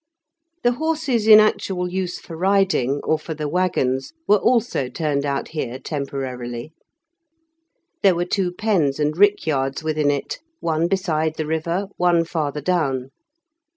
The horses in actual use for riding, or for the waggons, were also turned out here temporarily. There were two pens and rickyards within it, one beside the river, one farther down.